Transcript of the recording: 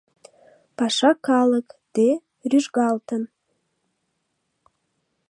Паша калык, те, рӱжгалтын